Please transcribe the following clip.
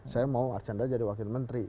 saya mau archandra jadi wakil menteri